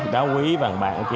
đá quý vàng bạc